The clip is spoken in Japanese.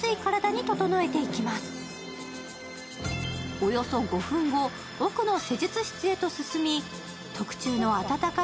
およそ５分後、奥の施術室へと進み特注の温かい